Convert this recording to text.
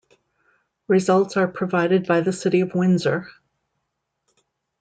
Results are provided by the City of Windsor.